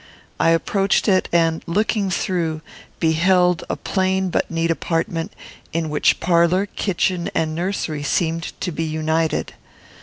I approached it, and, looking through, beheld a plain but neat apartment, in which parlour, kitchen, and nursery seemed to be united.